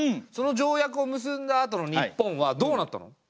その条約を結んだあとの日本はどうなったの？